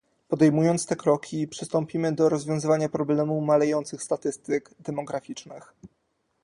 Podejmując te kroki, przystąpimy do rozwiązywania problemu malejących statystyk demograficznych